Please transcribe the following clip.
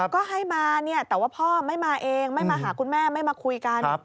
ก็ให้มาเนี่ยแต่ว่าพ่อไม่มาเองไม่มาหาคุณแม่ไม่มาคุยกัน